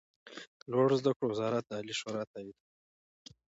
د لوړو زده کړو وزارت د عالي شورا تائید